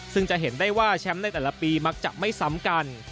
ซึ่งจะเห็นได้ว่าแชมป์ในแต่ละปีมักจะไม่ซ้ำกัน